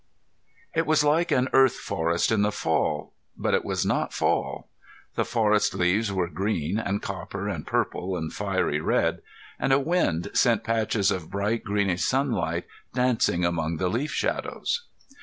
It was like an Earth forest in the fall, but it was not fall. The forest leaves were green and copper and purple and fiery red, and a wind sent patches of bright greenish sunlight dancing among the leaf shadows.